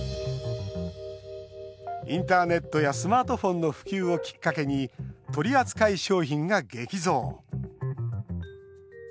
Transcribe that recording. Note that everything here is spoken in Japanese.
インターネットやスマートフォンの普及をきっかけに取り扱い商品が激増。